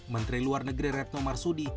menteri luar negeri retno marsudi